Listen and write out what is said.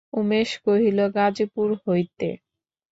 উমেশ কহিল, গাজিপুর হইতে।